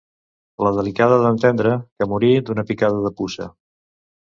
La delicada d'en Tendre, que morí d'una picada de puça.